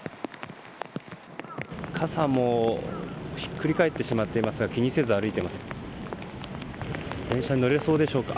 傘もひっくり返っていますが気にせず歩いています。